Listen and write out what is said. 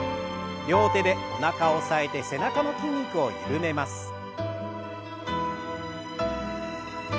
両手でおなかを押さえて背中の筋肉を緩めます。